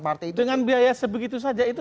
partai dengan biaya sebegitu saja itu